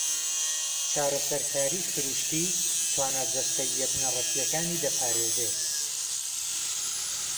چارهسهرکاری سرووشتی توانا جهستهییه بنهڕهتییهکانی دهپارێزێت.